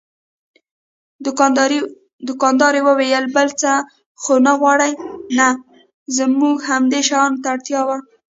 دوکاندارې وویل: بل څه خو نه غواړئ؟ نه، زموږ همدې شیانو ته اړتیا وه.